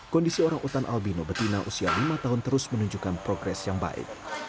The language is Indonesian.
kondisi orangutan albino betina usia lima tahun terus menunjukkan progres yang baik